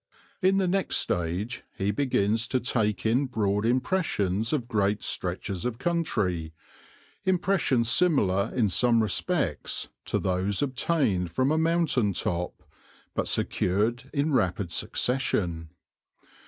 In the next stage he begins to take in broad impressions of great stretches of country, impressions similar in some respects to those obtained from a mountain top, but secured in rapid succession.